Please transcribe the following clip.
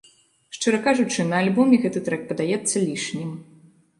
Шчыра кажучы, на альбоме гэты трэк падаецца лішнім.